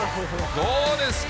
どうですか？